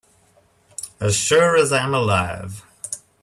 As sure as I am alive